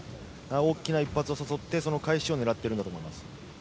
大きな一発を誘ってその返しを狙っているんだと思います。